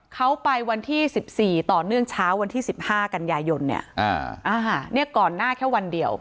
เขาไปวันที่๑๔ต่อเนื่องเช้าวันที่๑๕กันยายนก่อนหน้าแค่วันเดียว